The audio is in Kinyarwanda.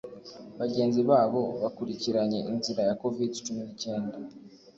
bagenzi babo bakurikiranye inzira ya covid-cumi n’icyenda